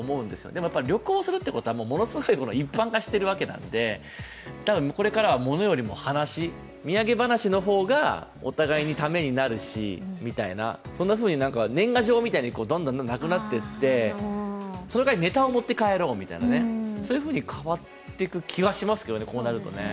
でも旅行するということはものすごく一般化しているので、これからは物よりも話、土産話の方がお互いにためになるしみたいな、こんなふうに年賀状みたいにどんどんなくなっていって、そのかわりネタを持って帰ろうとそういうふうに変わっていく気がしますけどね、こうなると。